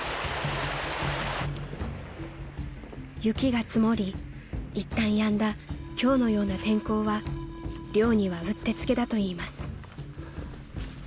［雪が積もりいったんやんだ今日のような天候は猟にはうってつけだといいます］